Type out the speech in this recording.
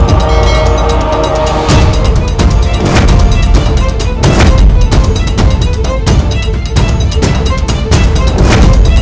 aku adalah kuranda geni